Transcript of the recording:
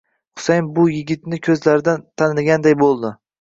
Husayin bu yigitni ko'zlaridan taniganday bo'ldi.